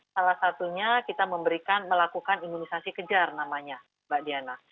salah satunya kita memberikan melakukan imunisasi kejar namanya mbak diana